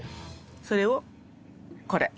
それをこれ。